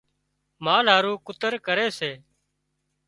مال هارو ڪُتر ڪري سي